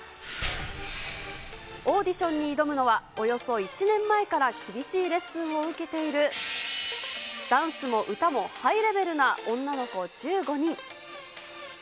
オーディションに挑むのは、およそ１年前から厳しいレッスンを受けている、ダンスも歌もハイレベルな女の子１５人。